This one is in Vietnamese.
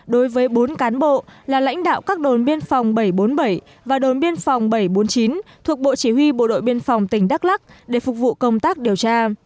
đối với bốn cán bộ là lãnh đạo các đồn biên phòng bảy trăm bốn mươi bảy và đồn biên phòng bảy trăm bốn mươi chín thuộc bộ chỉ huy bộ đội biên phòng tỉnh đắk lắc để phục vụ công tác điều tra